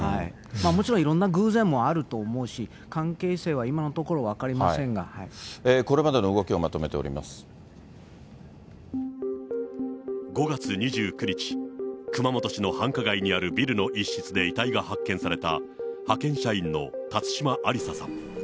もちろんいろんな偶然もあると思うし、関係性は今のところ分かりこれまでの動きをまとめてお５月２９日、熊本市の繁華街にあるビルの一室で遺体が発見された派遣社員の辰島ありささん。